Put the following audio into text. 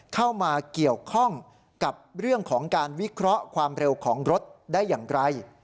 เข้ามาเกี่ยวข้องกับเรื่องของการวิเคราะห์ความเร็วของรถได้อย่างไร